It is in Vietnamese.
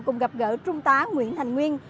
cùng gặp gỡ trung tá nguyễn thành nguyên